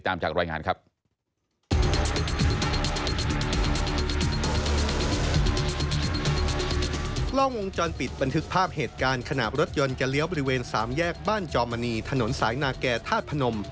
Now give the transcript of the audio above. ทางจะเลี้ยวบริเวณสามแยกบ้านจอมมณีถนนสายนาแก่ทาสพนม